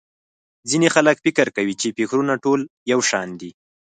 ځينې خلک فکر کوي چې٫ فکرونه ټول يو شان دي.